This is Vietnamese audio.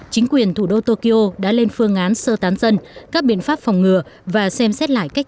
chính quyền thủ đô tokyo đã lên phương án sơ tán dân các biện pháp phòng ngừa và xem xét lại cách